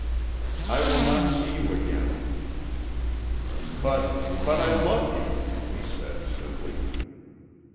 "I will not see you again." "But but I love you," he said, simply.